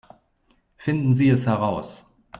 Finden Sie es heraus!